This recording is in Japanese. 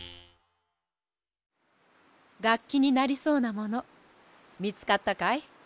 がっきになりそうなものみつかったかい？